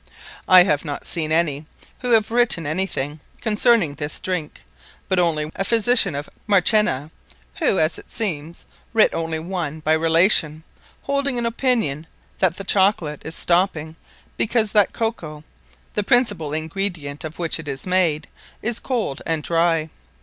I have not seene any, who hath written any thing, concerning this drinke; but onely a Physitian of Marchena, who (as it seemes) writ onely by Relation; holding an opinion, that the Chocolate is stopping, because that Cacao (the principall Ingredient of which it is made) is cold, and dry.